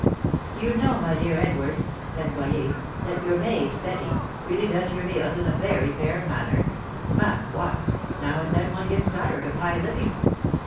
"Do you know, my dear Edwards," said Boyer, "that your maid, Betty, really does your meals in a very fair manner! Ma foi! now and then one gets tired of high living."